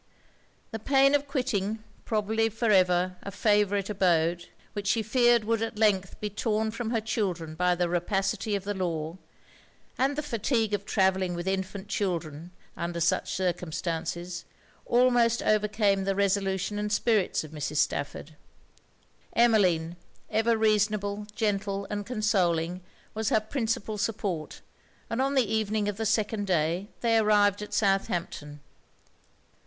The pain of quitting, probably for ever, a favourite abode, which she feared would at length be torn from her children by the rapacity of the law, and the fatigue of travelling with infant children, under such circumstances, almost overcame the resolution and spirits of Mrs. Stafford. Emmeline, ever reasonable, gentle, and consoling, was her principal support; and on the evening of the second day they arrived at Southampton.